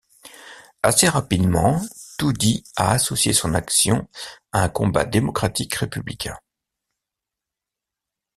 Assez rapidement, Toudi a associé son action à un combat démocratique républicain.